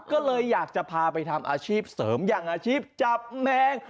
ก็เลยอยากจะพาไปทำอาชีพเสริมอย่างอาชีพจับแมง